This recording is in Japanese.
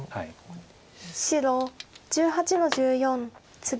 白１８の十四ツギ。